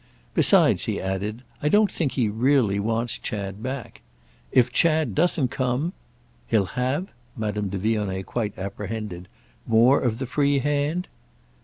Besides," he added, "I don't think he really wants Chad back. If Chad doesn't come—" "He'll have"—Madame de Vionnet quite apprehended—"more of the free hand?"